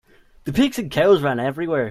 The pigs and cows ran everywhere.